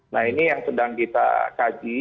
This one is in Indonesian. nah ini yang sedang kita kaji